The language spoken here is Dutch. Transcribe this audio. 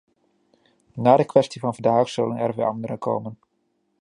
Na de kwestie van vandaag zullen er weer andere komen.